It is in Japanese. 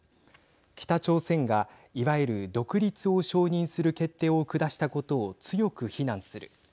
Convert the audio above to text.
北朝鮮が、いわゆる独立を承認する決定を下したことを強く非難する。